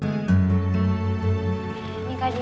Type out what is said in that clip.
mereka tuh sahabat gue